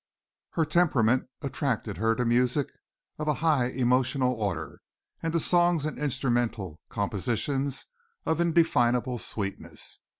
Her temperament attracted her to music of a high emotional order and to songs and instrumental compositions of indefinable sweetness.